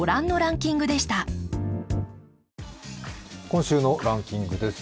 今週のランキングです。